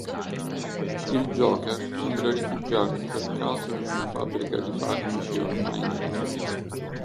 Il Joker sembra rifugiarsi per caso in una fabbrica di farmaci ormai in disuso.